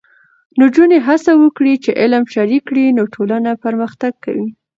نجونې هڅه وکړي چې علم شریک کړي، نو ټولنه پرمختګ کوي.